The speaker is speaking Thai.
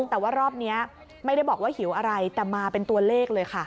แต่ว่ารอบนี้ไม่ได้บอกว่าหิวอะไรแต่มาเป็นตัวเลขเลยค่ะ